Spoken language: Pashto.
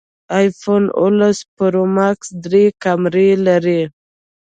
ایفون اوولس پرو ماکس درې کمرې لري